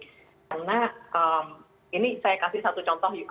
karena ini saya kasih satu contoh